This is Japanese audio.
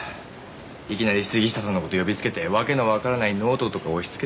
いきなり杉下さんの事呼びつけて訳のわからないノートとか押しつけて。